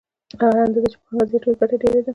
هره اندازه چې پانګه زیاته وي ګټه ډېره ده